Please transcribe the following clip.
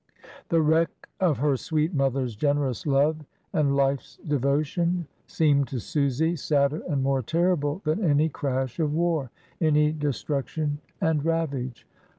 The wreck of her sweet mother's generous love and life's devotion seemed to Susy sadder and more terrible than any crash of war, any destruc 208 MRS. DYMOND. tion and ravage.